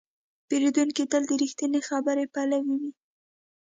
پیرودونکی تل د رښتینې خبرې پلوی وي.